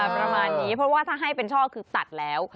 ประมาณนี้เพราะว่าถ้าให้เป็นช่อคือตัดแล้ว